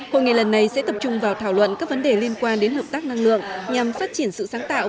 hội nghị lần này sẽ tập trung vào thảo luận các vấn đề liên quan đến hợp tác năng lượng nhằm phát triển sự sáng tạo